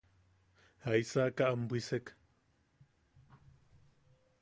¿Jaisaka am bwisek?